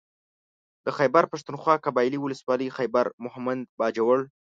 د خېبر پښتونخوا قبايلي ولسوالۍ خېبر مهمند باجوړ